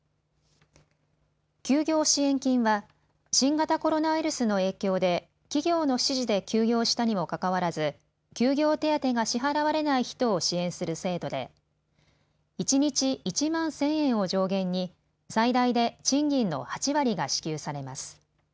休業支援金は新型コロナウイルスの影響で企業の指示で休業したにもかかわらず休業手当が支払われない人を支援する制度で一日１万１０００円を上限に最大で賃金の８割が支給されます。